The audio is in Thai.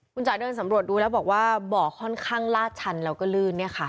คุณจ๋าเดินสำรวจดูแล้วบอกว่าบ่อค่อนข้างลาดชันแล้วก็ลื่นเนี่ยค่ะ